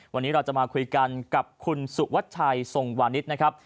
วันนี้เราจะมาคุยกันกับคุณสุวัชชัยทรงวานิสนะครับ